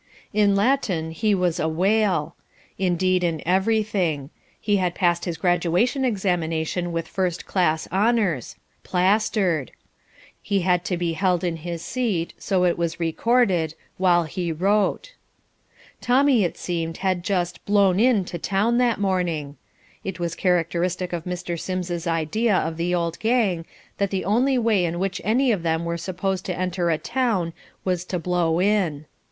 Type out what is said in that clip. In Latin he was "a whale." Indeed in everything. He had passed his graduation examination with first class honours; "plastered." He had to be held in his seat, so it was recorded, while he wrote. Tommy, it seemed, had just "blown in" to town that morning. It was characteristic of Mr. Sims's idea of the old gang that the only way in which any of them were supposed to enter a town was to "blow in."